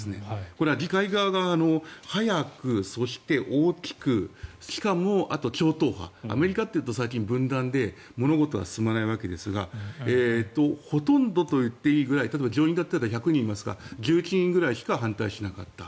これは議会側が早くそして大きくしかも超党派アメリカっていうと最近、分断で物事は進まないわけですがほとんどと言っていいぐらい例えば、上院だったら１００人いますが１１人ぐらいしか反対しなかった。